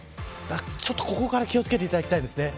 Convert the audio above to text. ちょっと、ここから気をつけていただきたいです。